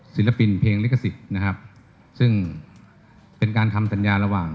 ศิลปินเพลงลิขสิทธิ์นะครับซึ่งเป็นการทำสัญญาระหว่าง